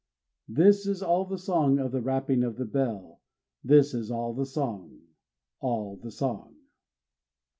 _ This is all the Song of the Wrapping of the Bell! this is all the Song, _All the song!